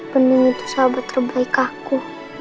bening itu sahabat terbaik aku